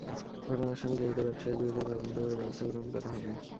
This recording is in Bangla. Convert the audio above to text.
ঘটনার সঙ্গে জড়িত ব্যবসায়ীর বিরুদ্ধে তদন্ত করে ব্যবস্থা গ্রহণ করা হবে।